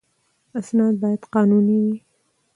اسناد باید قانوني وي.